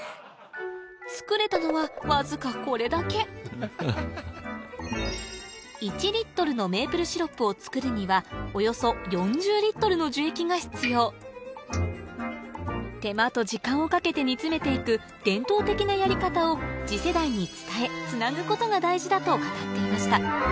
作れたのはわずか１のメープルシロップを作るにはおよそ４０の樹液が必要手間と時間をかけて煮詰めていく伝統的なやり方を次世代に伝えつなぐことが大事だと語っていました